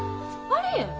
ありえん。